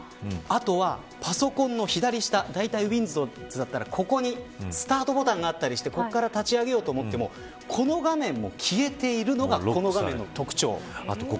あとは、パソコンの左下Ｗｉｎｄｏｗｓだったらここにスタートボタンがあったりしてここから立ち上げようとしてもこの画面も消えているのがこの画面の特徴です。